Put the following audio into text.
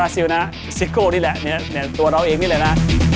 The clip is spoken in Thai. ซิลนะซิโก้นี่แหละตัวเราเองนี่แหละนะ